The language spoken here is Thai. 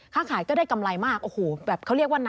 เป็นปีที่มันแบบหักกัน